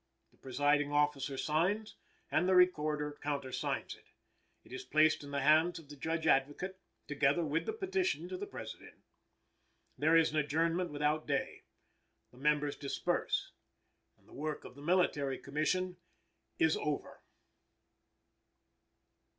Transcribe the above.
The presiding officer signs, and the Recorder countersigns it. It is placed in the hands of the Judge Advocate, together with the petition to the President. There is an adjournment without day. The members disperse, and the work of the Military Commission is over.